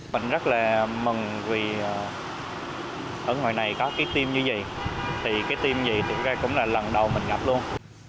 mình rất là mừng vì ở ngoài này có cái tim như vậy thì cái tim như vậy cũng là lần đầu mình gặp luôn